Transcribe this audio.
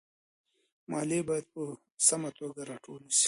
ماليې بايد په سمه توګه راټولي سي.